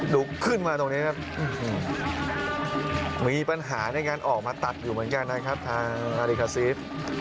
ขึ้นมาตรงนี้ครับมีปัญหาในการออกมาตัดอยู่เหมือนกันนะครับทางอาริคาซีส